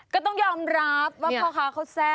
ก็ต้องยอมรับว่าพ่อค้าเขาแซ่บ